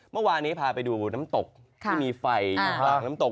เมื่อวานนี้พาไปดูน้ำตกที่มีไฟอยู่กลางน้ำตก